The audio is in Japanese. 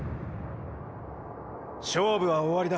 “勝負”は終わりだ。